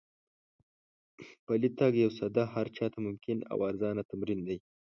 پلی تګ یو ساده، هر چا ته ممکن او ارزانه تمرین دی.